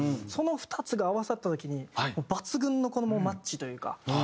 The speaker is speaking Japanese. その２つが合わさった時に抜群のマッチというか。